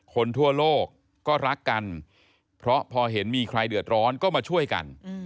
คนทั่วโลกก็รักกันเพราะพอเห็นมีใครเดือดร้อนก็มาช่วยกัน